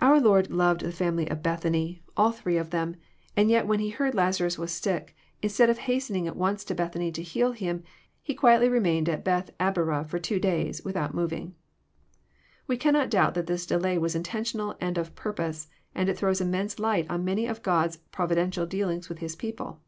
Our Lord loved the family of Bethany, all three of them ; and yet when He heard Lazarus was sick, instead of hastening at once to Bethany to heal him, He quietly remained at Bethabara for two days, without moving. We cannot doubt that this delay was intentional and of pur pose, and it throws immense light on many'of God's providen tial dealings with His people.